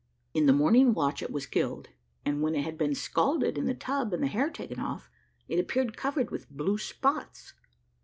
In the morning watch it was killed, and when it had been scalded in the tub, and the hair taken off, it appeared covered with blue spots.